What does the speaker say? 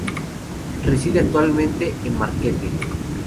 Reside actualmente en Marquette.